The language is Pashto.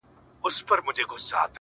• هغه زما خبري پټي ساتي،